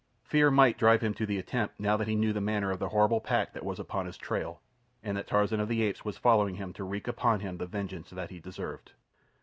Fear might drive him to the attempt now that he knew the manner of horrible pack that was upon his trail, and that Tarzan of the Apes was following him to wreak upon him the vengeance that he deserved.